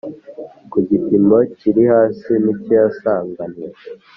ku gipimo kiri hasi nicyo yasanganwe